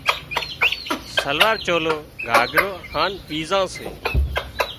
شلوار، چولو، گھاگھرو، هانَ ٻيزان سي